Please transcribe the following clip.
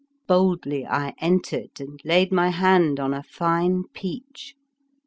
Boldly I entered and laid my hand on a fine peach.